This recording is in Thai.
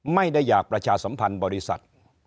ไม่ได้อยากประชาสัมพันธ์บริษัท